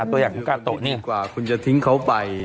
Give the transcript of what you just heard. ตัวอย่างของกาโตะเนี่ย